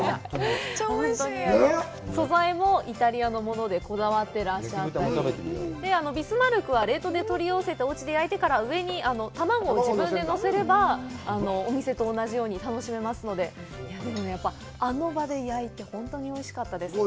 めっちゃおいしい素材もイタリアのものでこだわってらっしゃったりビスマルクは冷凍で取り寄せておうちで焼いてから上に卵を自分で載せればお店と同じように楽しめますのででもねやっぱあの場で焼いてほんとにおいしかったです